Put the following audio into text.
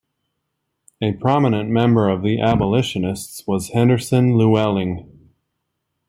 A prominent member of the abolitionists was Henderson Lewelling.